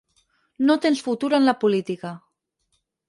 No tens futur en la política.